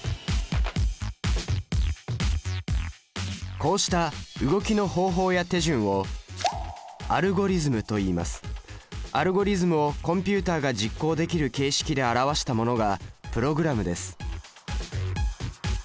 こうした動きの方法や手順をアルゴリズムをコンピュータが実行できる形式で表したものがプログラムです。